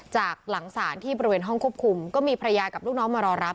จากหลังศาลที่บริเวณห้องควบคุมก็มีภรรยากับลูกน้องมารอรับ